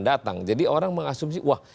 datang jadi orang mengasumsi wah